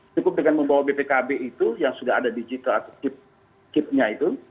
cukup dengan membawa bpkb itu yang sudah ada digital atau kip nya itu